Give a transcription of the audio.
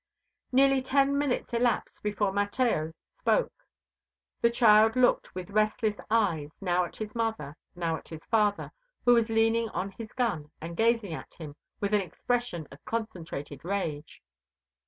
Nearly ten minutes elapsed before Mateo spoke. The child looked with restless eyes, now at his mother, now at his father, who was leaning on his gun and gazing at him with an expression of concentrated rage.